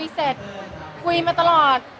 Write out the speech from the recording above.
เสร็จคุยมาตลอด